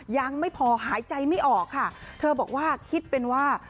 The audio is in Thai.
ยังไม่พอหายใจไม่ออกค่ะเธอบอกว่าคิดเป็นว่า